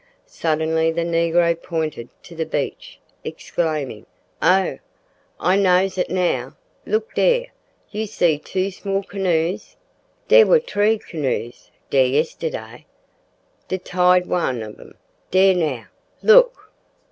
Suddenly the negro pointed to the beach, exclaiming, "Oh! I knows it now! Look dare. You see two small canoes? Dere wor tree canoes dare yisterday. De t'ird wan am dare now. Look!"